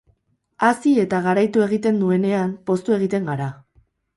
Hazi eta garaitu egiten duenean, poztu egiten gara.